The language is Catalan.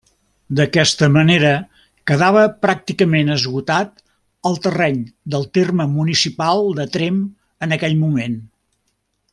D'aquesta manera quedava pràcticament esgotat el terreny del terme municipal de Tremp en aquell moment.